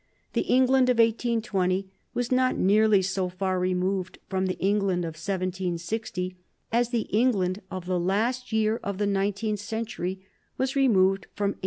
The England of 1820 was not nearly so far removed from the England of 1760 as the England of the last year of the nineteenth century was removed from 1837.